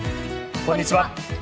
こんにちは。